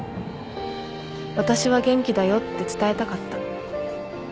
私は元気だよって伝えたかった